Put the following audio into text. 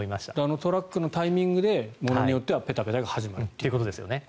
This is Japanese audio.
トラックのタイミングでものによってはペタペタが始まると。